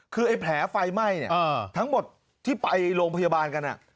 คือไอ้แผลไฟไหม้ทั้งหมดที่ไปโรงพยาบาลกัน